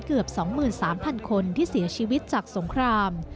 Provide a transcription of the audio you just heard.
เกือบ๒๓๐๐คนที่เสียชีวิตจากสงคราม